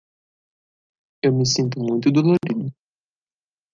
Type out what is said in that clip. Eu me sinto muito dolorido.